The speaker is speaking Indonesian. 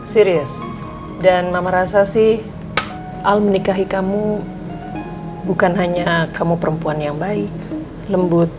serius dan mama rasa sih al menikahi kamu bukan hanya kamu perempuan yang baik lembut